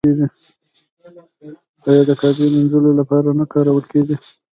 آیا د کعبې مینځلو لپاره نه کارول کیږي؟